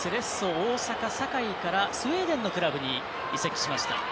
大阪からスウェーデンのクラブに移籍しました。